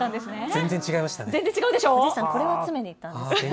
全然違いました。